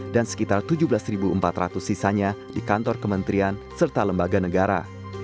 dan sekitar tujuh belas empat ratus sisanya di kantor kementerian serta lembaga negara